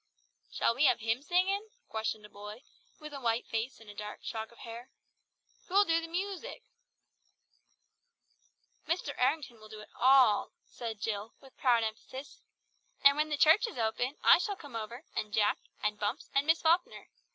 "Shall we have hymn singin'?" questioned a boy, with a white face and dark shock of hair. "Who'll do the moosic?" "Mr. Errington will do it all," said Jill with proud emphasis. "And when the church is open, I shall come over, and Jack, and Bumps, and Miss Falkner.